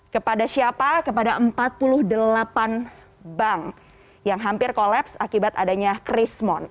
kepada siapa kepada empat puluh delapan bank yang hampir kolaps akibat adanya krismon